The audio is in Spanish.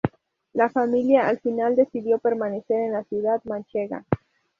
La familia al final decidió permanecer en la ciudad manchega.